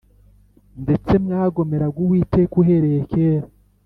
Ndetse mwagomeraga uwiteka uhereye kera